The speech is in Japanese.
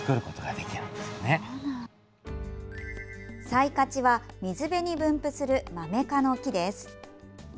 サイカチは水辺に分布するマメ科の木です。